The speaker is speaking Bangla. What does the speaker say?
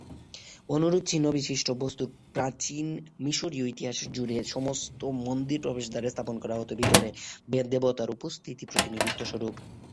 অনুরূপ চিহ্ন বিশিষ্ট বস্তু প্রাচীন মিশরীয় ইতিহাস জুড়ে সমস্ত মন্দির প্রবেশদ্বার এ স্থাপন করা হত ভিতরে দেবতার উপস্থিতির প্রতিনিধিত্ব স্বরূপ।